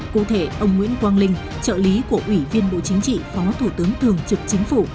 cụ thể ông nguyễn quang linh trợ lý của ủy viên bộ chính trị phó thủ tướng thường trực chính phủ